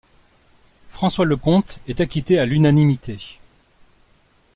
François Leconte est acquitté à l'unanimité.